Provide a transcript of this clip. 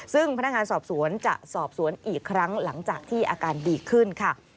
ซึ่งพนักงานสอบสวนจะสอบสวนอีกครั้งหลังจากที่อาการดีขึ้นค่ะ